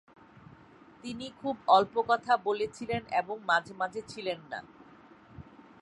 তিনি খুব অল্প কথা বলেছিলেন এবং মাঝে মাঝে ছিলেন না।